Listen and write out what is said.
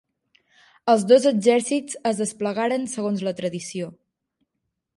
Els dos exèrcits es desplegaren segons la tradició.